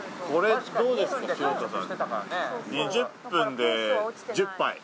２０分で１０杯。